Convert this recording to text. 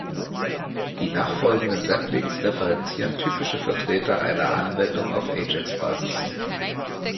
Die nachfolgenden Weblinks referenzieren typische Vertreter einer Anwendung auf Ajax-Basis.